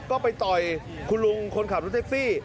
ก็ไปต่อยคุณลุงคนขับรถแท็กซี่